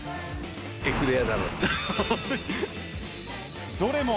エクレアだろうね。